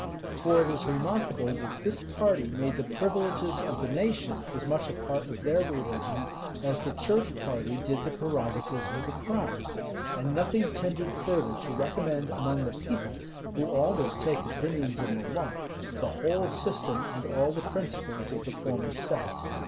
For it is remarkable, that this party made the privileges of the nation as much a part of their religion, as the church party did the prerogatives of the crown: and nothing tended further to recommend among the people, who always take opinions in the lump, the whole system and all the principles of the former sect.